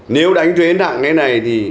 nếu đánh thuế nặng thế này thì